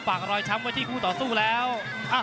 รอยช้ำไว้ที่คู่ต่อสู้แล้ว